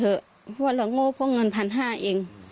เพราะว่าเราโง่เพราะเงิน๑๕๐๐เอง